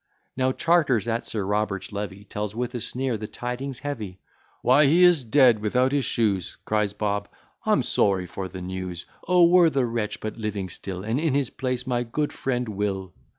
Now Chartres, at Sir Robert's levee, Tells with a sneer the tidings heavy: "Why, is he dead without his shoes," Cries Bob, "I'm sorry for the news: O, were the wretch but living still, And in his place my good friend Will!